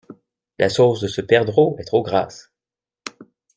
La sauce de ce perdreau est trop grasse!